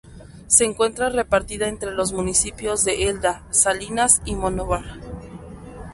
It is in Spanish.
Se encuentra repartida entre los municipios de Elda, Salinas y Monóvar.